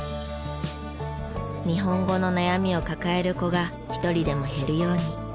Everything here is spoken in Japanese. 日本語の悩みを抱える子が一人でも減るように。